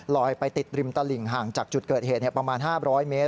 ไปติดริมตลิ่งห่างจากจุดเกิดเหตุประมาณ๕๐๐เมตร